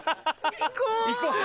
行こう！